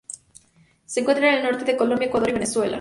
Se encuentra en el norte de Colombia, Ecuador y Venezuela.